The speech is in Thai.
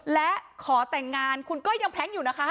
และขอแต่งงานคุณก็ยังแพล้งอยู่นะคะ